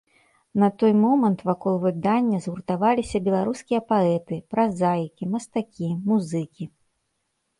На той момант вакол выдання згуртаваліся беларускія паэты, празаікі, мастакі, музыкі.